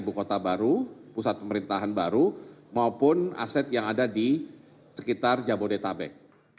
ibu kota baru pusat pemerintahan baru maupun aset yang ada di sekitar jabodetabek